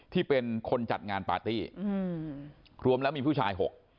ที่เป็นคนจัดงานปาร์ตี้อืมรวมแล้วมีผู้ชาย๖